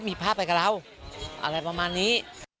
มีภาพไปกับเราอะไรประมาณนี้